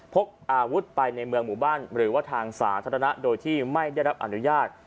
พกอาวุธไปในเมืองหมู่บ้านหรือว่าทางสาธารณะโดยที่ไม่ได้รับอนุญาต